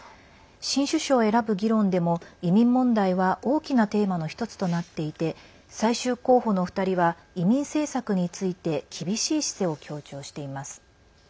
新首相を選ぶ議論でも移民問題は大きなテーマの１つとなっていて最終候補の２人は移民政策について厳しい姿勢を強調しています。